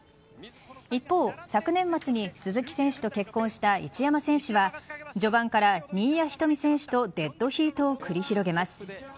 一方、昨年末に鈴木選手と結婚した一山選手は序盤から新谷仁美選手とデッドヒートを繰り広げます。